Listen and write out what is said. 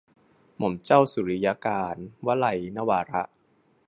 หม่อมเจ้าสุริยกานต์ - วลัย นวาระ